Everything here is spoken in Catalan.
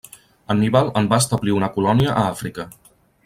Anníbal en va establir una colònia a Àfrica.